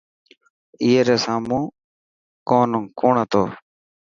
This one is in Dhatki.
اي ري سامون ڪون هتو.